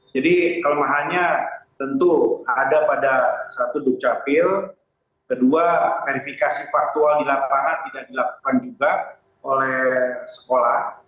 kelemahannya tentu ada pada satu dukcapil kedua verifikasi faktual di lapangan tidak dilakukan juga oleh sekolah